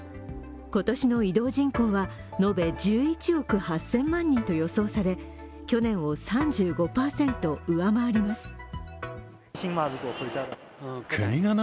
今年の移動人口は延べ１１億８０００万人と予想され、去年を３５％上回ります。